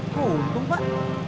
kok untung pak